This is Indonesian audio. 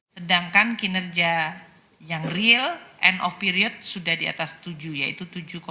sedangkan kinerja yang real and of period sudah di atas tujuh yaitu tujuh lima